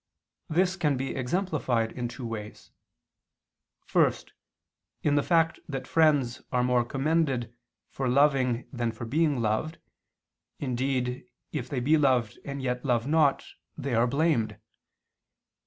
This can be exemplified in two ways. First, in the fact that friends are more commended for loving than for being loved, indeed, if they be loved and yet love not, they are blamed.